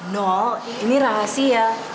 no ini rahasia